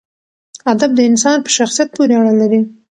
ادب د انسان په شخصیت پورې اړه لري.